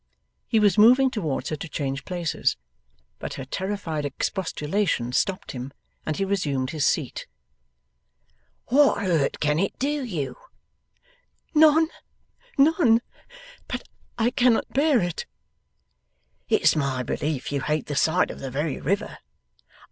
He was moving towards her to change places, but her terrified expostulation stopped him and he resumed his seat. 'What hurt can it do you?' 'None, none. But I cannot bear it.' 'It's my belief you hate the sight of the very river.